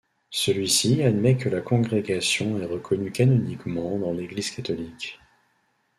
Celui-ci admet que la congrégation est reconnue canoniquement dans l'Église catholique.